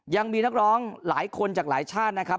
ยังมีนักร้องหลายคนจากหลายชาตินะครับ